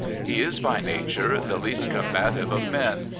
He is by nature the least combative of men.